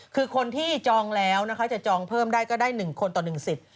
คือคนที่จองแล้วนะคะจะจองเพิ่มได้ก็ได้๑คนต่อ๑สิทธิ์